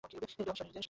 এটা অফিশিয়াল নির্দেশ।